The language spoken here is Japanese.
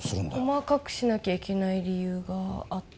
細かくしなきゃいけない理由があった？